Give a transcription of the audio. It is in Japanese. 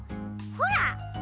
ほら。